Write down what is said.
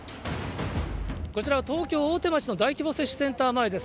こちら、東京・大手町の大規模接種センター前です。